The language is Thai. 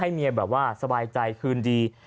เมียแบบว่าสบายใจคืนดี